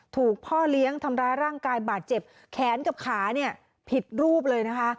ถูกพ่อเลี้ยงทำร้ายร่างกายบาดเจ็บแขนกับขาเนี่ยผิดรูปเลยนะคะ